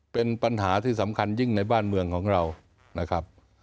เป็นปัญหาที่สำคัญยิ่งในบ้านเมืองของเรานะครับ